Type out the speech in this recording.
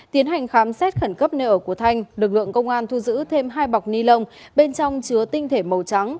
tiến hành khám xét khẩn cấp nơi ở của thanh lực lượng công an thu giữ thêm hai bọc ni lông bên trong chứa tinh thể màu trắng